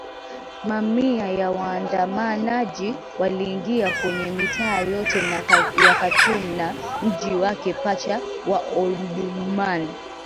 Mamia ya waandamanaji waliingia kwenye mitaa yote ya Khartoum na mji wake pacha wa Omdurman